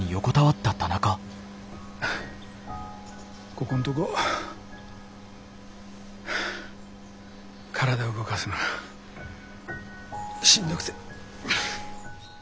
ここんとこ体動かすのがしんどくて。